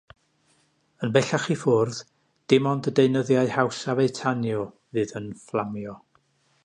Yn bellach i ffwrdd, dim ond y deunyddiau hawsaf eu tanio fydd yn fflamio.